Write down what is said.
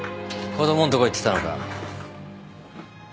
子供んとこ行ってたのか？